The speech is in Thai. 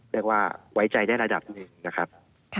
เรียกว่าไว้ใจได้ระดับหนึ่งนะครับ